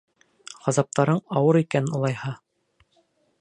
— Ғазаптарың ауыр икән, улайһа.